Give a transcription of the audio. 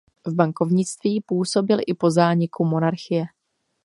V bankovnictví působil i po zániku monarchie.